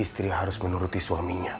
istri harus menuruti suaminya